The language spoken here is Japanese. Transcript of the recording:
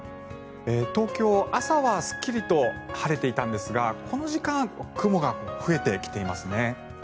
東京、朝はすっきりと晴れていたんですがこの時間雲が増えてきていますね。